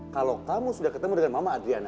kalau kamu sudah ketemu dengan mama adriana